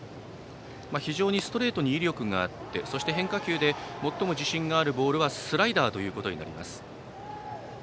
非常にストレートに威力があって変化球で最も自信があるボールはスライダーということになります。